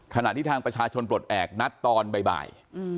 ขณะที่ทางประชาชนปลดแอบนัดตอนบ่าย